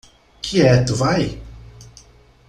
Quieto, vai?